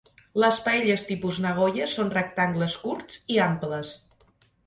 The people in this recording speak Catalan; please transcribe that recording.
Les paelles tipus Nagoya són rectangles curts i amples